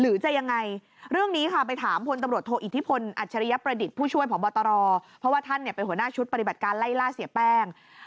ลิกนี้ค่ะไปถามพนธ์ตำรวจโทรอิทธิพลอัชทรียประดิษฐ์ผู้ช่วยของบรตรอเพราะว่าท่านเป็นหัวหน้าชุดปฏิบัติการไล่ล่าเสียแป้ง